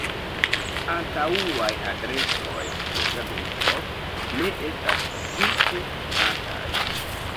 Antaŭaj adresoj de Zamenhof ne estas ĝuste konataj.